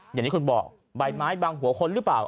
อย่างที่คุณบอกใบไม้บังหัวคนหรือเปล่า